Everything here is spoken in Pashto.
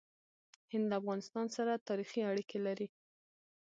هند له افغانستان سره تاریخي اړیکې لري.